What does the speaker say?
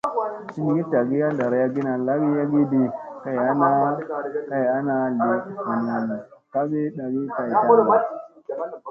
Hingi tagi a ɗarayagina lagii yagii di kay ana ,kay ana li vunun kagi ɗagii kay tanga.